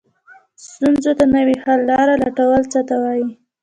ستونزو ته نوې حل لارې لټول څه ته وایي؟